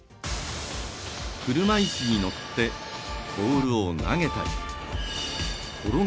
車いすに乗ってボールを投げたり、転がしたり。